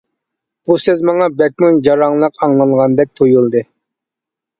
بۇ سۆز ماڭا بەكمۇ جاراڭلىق ئاڭلانغاندەك تۇيۇلدى.